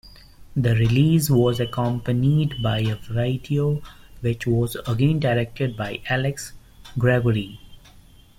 The release was accompanied by a video which was again directed by Alex Gregory.